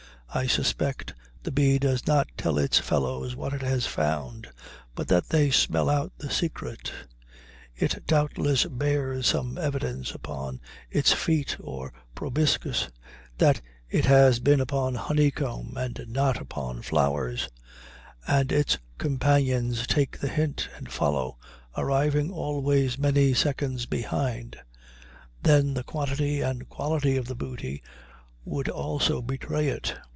I suspect the bee does not tell its fellows what it has found, but that they smell out the secret; it doubtless bears some evidence with it upon its feet or proboscis that it has been upon honeycomb and not upon flowers, and its companions take the hint and follow, arriving always many seconds behind. Then the quantity and quality of the booty would also betray it.